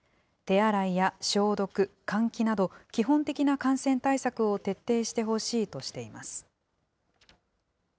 手洗いや消毒、換気など、基本的な感染対策を徹底してほしいとしています。